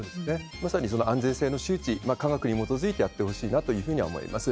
まさにその安全性の周知、科学に基づいてやってほしいなというふうには思います。